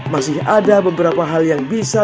masih ada beberapa hal yang bisa